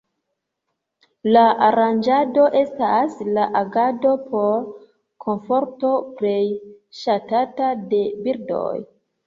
La Aranĝado estas la agado por komforto plej ŝatata de birdoj.